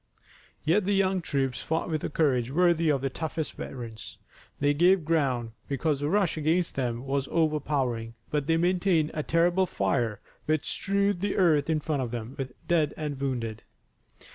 Yet the young troops fought with a courage worthy of the toughest veterans. They gave ground, because the rush against them was overpowering, but they maintained a terrible fire which strewed the earth in front of them with dead and wounded.